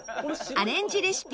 アレンジレシピ